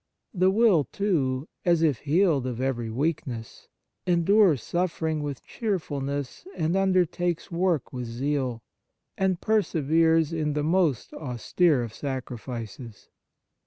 The will, too, as if healed of every weakness, endures suffering with cheerfulness and under takes work with zeal, and perseveres in the most austere of sacrifices.